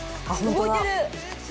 動いてる。